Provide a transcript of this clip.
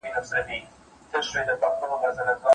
او خزان یې خدایه مه کړې د بهار تازه ګلونه